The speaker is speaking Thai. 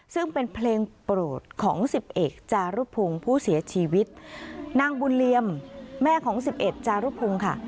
ซึ่งเป็นเพลงโปรดของสิบเอกจารุพงศ์ผู้เสียชีวิตนางบุญเหลี่ยมแม่ของสิบเอ็ดจารุพงศ์ค่ะ